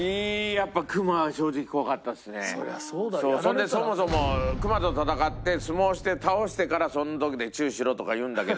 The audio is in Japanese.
それでそもそもクマと闘って相撲して倒してからその時でチューしろとか言うんだけど。